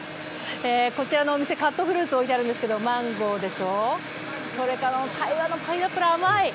こちらのお店、カットフルーツが置いてあるんですけどマンゴーでしょ、それから台湾のパイナップル、甘い！